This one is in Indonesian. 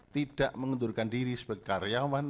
tidak mengundurkan diri sebagai karyawan